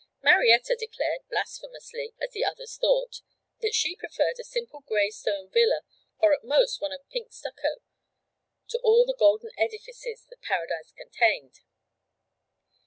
Marietta declared, blasphemously, as the others thought, that she preferred a simple grey stone villa or at most one of pink stucco, to all the golden edifices that Paradise contained.